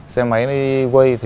xe máy quay